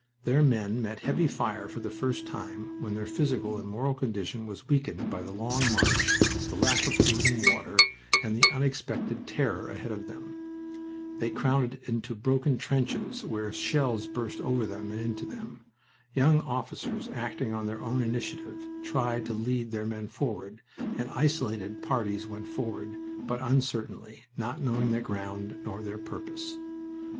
Their men met heavy fire for the first time when their physical and moral condition was weakened by the long march, the lack of food and water, and the unexpected terror ahead of them. They crowded into broken trenches, where shells burst over them and into them. Young officers acting on their own initiative tried to lead their men forward, and isolated parties went forward, but uncertainly, not knowing the ground nor their purpose.